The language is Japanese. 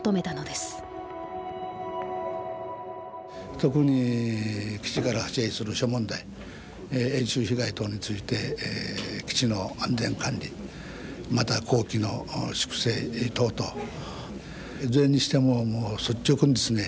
知事として特に基地から派生する諸問題演習被害等について基地の安全管理また綱紀の粛正等々いずれにしてももう率直にですね